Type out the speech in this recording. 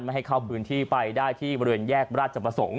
ให้เข้าพื้นที่ไปได้ที่บริเวณแยกราชประสงค์